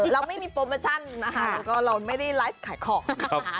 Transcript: เราไม่มีโปรเมอร์ชั่นนะคะเราไม่ได้ไลฟ์ขายของนะคะ